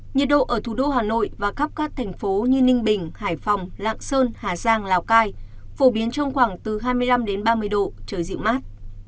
nhiệt độ ở thủ đô hà nội và khắp các thành phố như ninh bình hải phòng lạng sơn hà giang lào cai phổ biến trong khoảng từ hai mươi năm ba mươi độ trời dịu mát